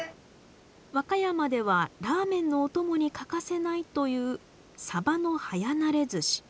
和歌山ではラーメンのお供に欠かせないというサバの早なれ寿し。